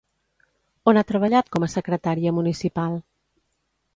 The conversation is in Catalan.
On ha treballat com a secretària municipal?